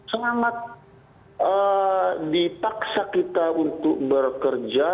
sangat dipaksa kita untuk bekerja